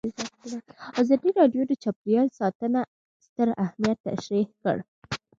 ازادي راډیو د چاپیریال ساتنه ستر اهميت تشریح کړی.